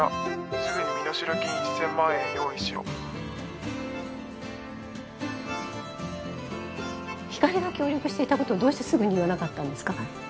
すぐに身代金１，０００万円用意しひかりが協力していたことをどうしてすぐに言わなかったんですか？